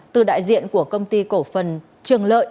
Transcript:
từ đại diện của công ty cổ phần trường lợi